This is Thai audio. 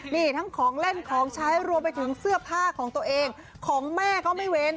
นี่ทั้งของเล่นของใช้รวมไปถึงเสื้อผ้าของตัวเองของแม่ก็ไม่เว้น